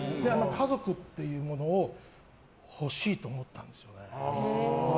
家族というものを欲しいと思ったんですよね。